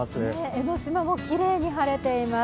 江の島もきれいに晴れています。